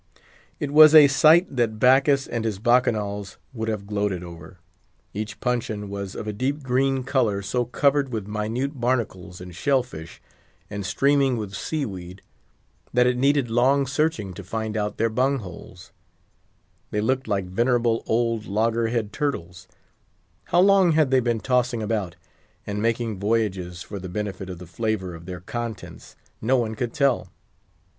It was a sight that Bacchus and his bacchanals would have gloated over. Each puncheon was of a deep green color, so covered with minute barnacles and shell fish, and streaming with sea weed, that it needed long searching to find out their bung holes; they looked like venerable old loggerhead turtles. How long they had been tossing about, and making voyages for the benefit of the flavour of their contents, no one could tell.